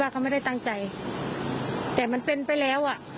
แล้วก็เอาปืนยิงจนตายเนี่ยมันก็อาจจะเป็นไปได้จริง